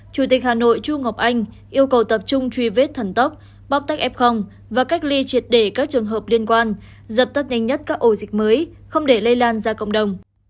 chủ tịch hà nội chu ngọc anh yêu cầu tập trung truy vết thần tốc bóc tách f và cách ly triệt để các trường hợp liên quan dập tắt nhanh nhất các ổ dịch mới không để lây lan ra cộng đồng